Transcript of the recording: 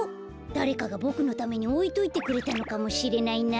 だれかがボクのためにおいといてくれたのかもしれないな。